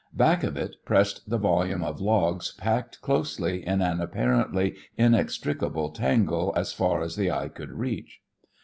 Back of it pressed the volume of logs packed closely in an apparently inextricable tangle as far as the eye could reach.